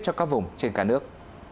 cho các vùng trên cả nước